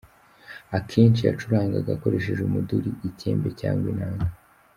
Akenshi yacurangaga akoresheje umuduri, icyembe cyangwa inanga.